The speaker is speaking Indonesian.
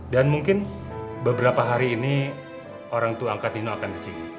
dan mungkin beberapa hari ini orang tua angkat nino akan kesini